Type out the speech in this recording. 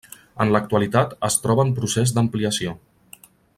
En l'actualitat es troba en procés d'ampliació.